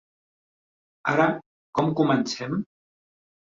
Ara, com comencem?